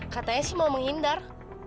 katanya sih mau menghindar